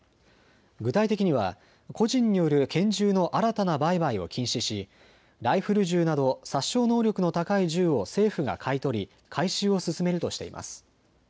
具体的には個人による拳銃の新たな売買を禁止しライフル銃など殺傷能力の高い銃を政府が買い取り回収を進めるとしています。